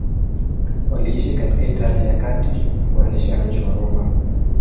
Waliishi katika Italia ya Kati na kuanzisha mji wa Roma.